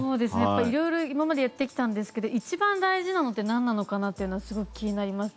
色々今までやってきたんですけど一番大事なのってなんなのかなっていうのはすごく気になります。